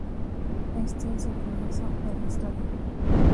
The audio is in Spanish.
Este es el comienzo de la historia.